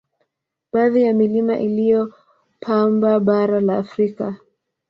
Baadhi ya Milima inayopamba bara la Afrika